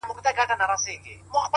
• ستا د ميني پـــه كـــورگـــي كـــــي؛